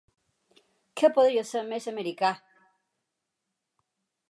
Què podria ser més americà!